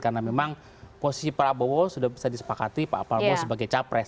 karena memang posisi prabowo sudah bisa disepakati pak prabowo sebagai capres